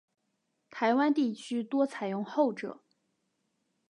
台湾地区多采用后者。